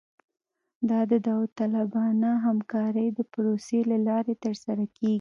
دا د داوطلبانه همکارۍ د پروسې له لارې ترسره کیږي